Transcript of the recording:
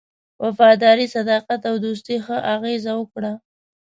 وفاداري، صداقت او دوستی ښه اغېزه وکړه.